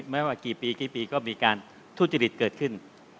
ไม่ว่ากี่ปีกี่ปีก็มีการทุจริตเกิดขึ้น